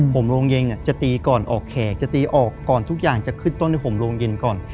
ผมโรงเย็นจะตีก่อนออกแขกจะตีออกก่อนทุกอย่างจะขึ้นต้นให้ผมโรงเย็นก่อน